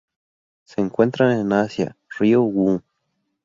Se encuentran en Asia: río Wu.